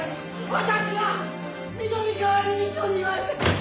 私は緑川理事長に言われて仕方なく！